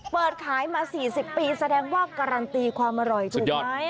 เปิดขายมา๔๐ปีแสดงว่าการันตีความอร่อยถูกไหม